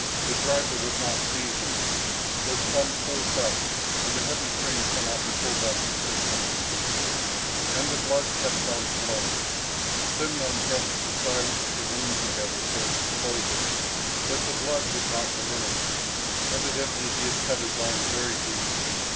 The driver would not see him would come close up, and a heavy train cannot be pulled up in six hundred feet. And the blood kept on flowing. Semyon pressed the sides of the wound together so as to close it, but the blood did not diminish. Evidently he had cut his arm very deep.